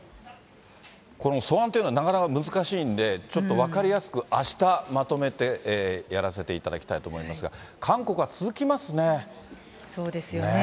この素案というのはなかなか難しいんで、ちょっと分かりやすく、あした、まとめてやらせていただきたいと思いますが、韓国は続きますね。